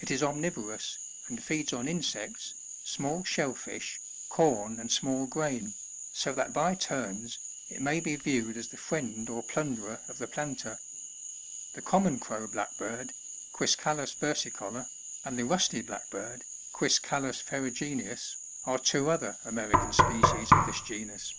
It is omnivorous, and feeds on insects, small shell fish, corn and small grain, so that by turns, it may be viewed as the friend or plunderer of the planter. The common Crow Blackbird, — Quiscalits vei'sicofor, — and the Rusty Blackbird, — Qtiiscalus ferrugineu8,^BLre two other American species of this genus.